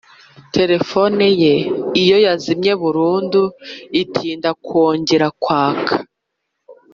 telefone ye iyo yazimye burunmdu itinda kongera kwaka